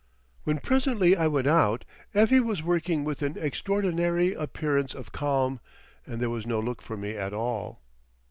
When presently I went out, Effie was working with an extraordinary appearance of calm—and there was no look for me at all....